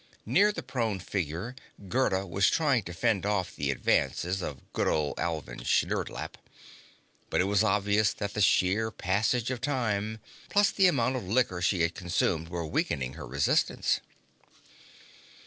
Near the prone figure, Gerda was trying to fend off the advances of good old Alvin Sherdlap, but it was obvious that the sheer passage of time, plus the amount of liquor she had consumed, were weakening her resistance.